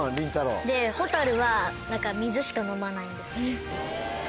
ホタルは水しか飲まないんです。